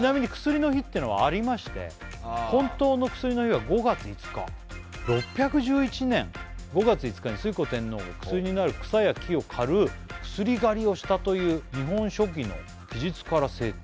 ちなみに本当の薬の日は５月５日６１１年５月５日に推古天皇が薬になる草や木を刈る薬狩りをしたという日本書紀の記述から制定